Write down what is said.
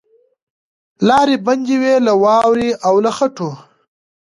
لاري بندي وې له واورو او له خټو